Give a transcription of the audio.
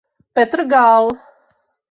Petr Gal.